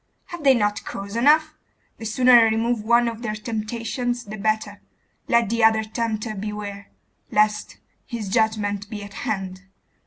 Have they not cause enough? The sooner I remove one of their temptations the better: let the other tempter beware, lest his judgment be at hand!